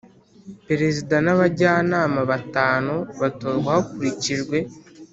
Perezida n abajyanama batanu batorwa hakurikijwe